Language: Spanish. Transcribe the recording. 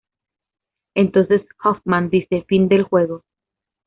Entonces Hoffman dice "Fin del juego".